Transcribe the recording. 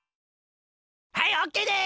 はいオッケーです！